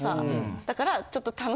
だからちょっと。